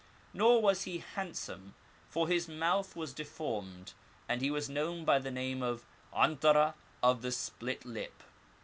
Nor was he handsome^ for his mouth was de formed, and he was known by the name of 'Antarah of the Split Lip.